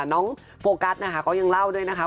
น้องโฟกัสก็ยังเล่าด้วยนะคะ